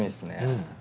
うん。